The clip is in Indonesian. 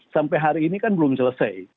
sampai hari ini kan belum selesai